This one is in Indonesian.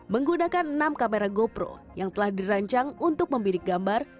menggunakan enam kamera gopro yang telah dirancang untuk membidik gambar